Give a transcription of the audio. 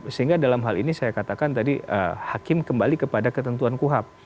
sehingga dalam hal ini saya katakan tadi hakim kembali kepada ketentuan kuhap